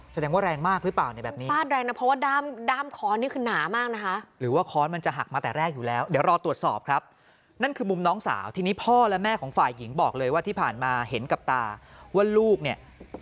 แสดงว่าแรงมากหรือเปล่าเนี่ยแบบนี้